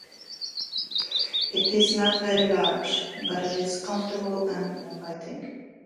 It is not very large, but it is comfortable and inviting.